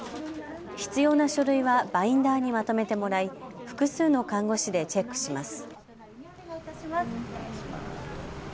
必要な書類はバインダーにまとめてもらい複数の看護師でチェックします。